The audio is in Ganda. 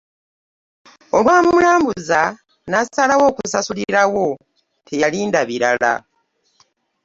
Olwamulambuza n'asalawo okusasulirawo teyalinda birala.